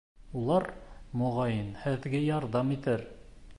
Улар, моғайын, һеҙгә ярҙам итер.